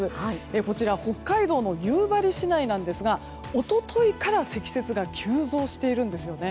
こちら北海道の夕張市内なんですが一昨日から積雪が急増しているんですよね。